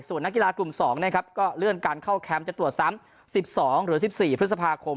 ส่วนนักกีฬากลุ่ม๒นะครับก็เลื่อนการเข้าแคมป์จะตรวจซ้ำ๑๒หรือ๑๔พฤษภาคม